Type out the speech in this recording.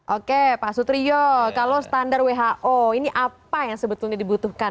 oke pak sutrio kalau standar who ini apa yang sebetulnya dibutuhkan